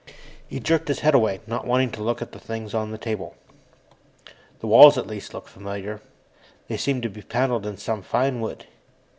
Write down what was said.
He jerked his head away, not wanting to look at the things on the table. The walls, at least, looked familiar. They seemed to be paneled in some fine wood.